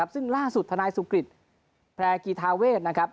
ซึ่งล่าสุดทนายสุกฤตแพร่กีธาเวศ